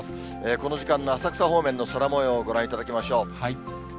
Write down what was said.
この時間の浅草方面の空もようをご覧いただきましょう。